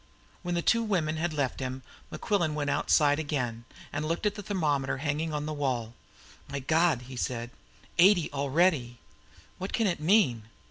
When the two women had left him, Mequillen went outside again, and looked at the thermometer hanging on the wall. "My God," he said, "eighty already! What can it mean?"